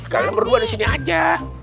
kalian berdua disini aja